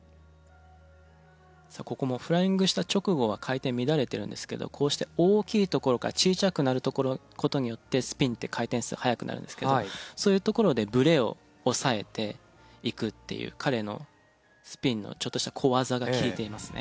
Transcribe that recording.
ここもフライングした直後は回転乱れてるんですけどこうして大きいところから小さくなる事によってスピンって回転数速くなるんですけどそういうところでブレを抑えていくっていう彼のスピンのちょっとした小技が利いていますね。